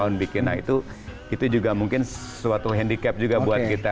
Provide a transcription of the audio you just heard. nah itu juga mungkin suatu handicap juga buat kita